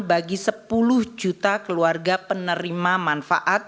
bagi sepuluh juta keluarga penerima manfaat